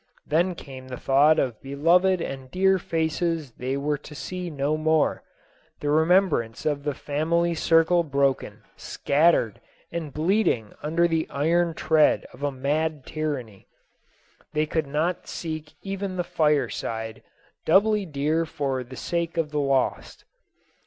Then came the thought of beloved and dear faces they were to see no more, the remembrance of the family circle broken, scattered, and bleeding under the iron tread of a mad tyranny. They could not seek even the fire side, doubly dear for the sake of the lost.